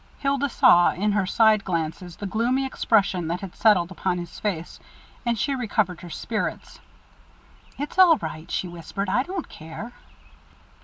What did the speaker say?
Hilda saw, in her side glances, the gloomy expression that had settled upon his face; and she recovered her spirits first. "It's all right," she whispered; "I don't care."